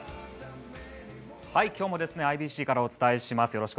今日もＩＢＣからお伝えします。